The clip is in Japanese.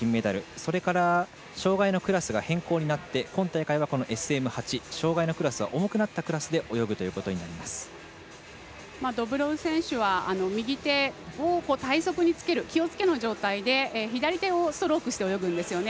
それから、障がいのクラスが変更になって、この大会はＳＭ８障がいのクラスは重くなったクラスでドブロウ選手は右手を体側につける気をつけの状態で左手をストロークして泳ぐんですよね。